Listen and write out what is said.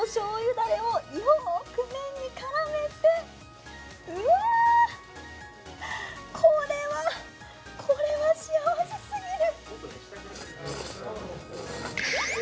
だれをよーく麺に絡めてうわ、これは、これは幸せすぎる。